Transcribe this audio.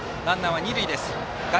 ランナーは二塁です。